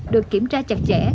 được kiểm tra chặt chẽ